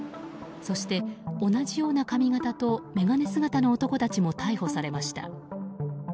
そして、同じような髪形と眼鏡姿の男たちも逮捕されました。